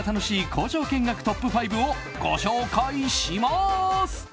工場見学トップ５をご紹介します。